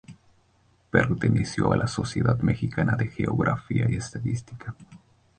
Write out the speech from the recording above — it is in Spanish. Perteneció a la Sociedad Mexicana de Geografía y Estadística.